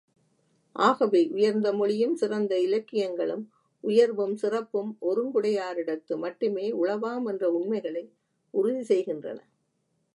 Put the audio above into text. ஆகவே, உயர்ந்த மொழியும், சிறந்த இலக்கியங்களும், உயர்வும் சிறப்பும் ஒருங்குடையாரிடத்து மட்டுமே உளவாம் என்ற உண்மைகளை உறுதி செய்கின்றன.